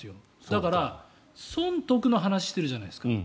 だから、損得の話をしているじゃないですか。